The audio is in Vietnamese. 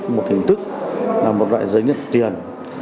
một hình thức là một loại giới nhận tiền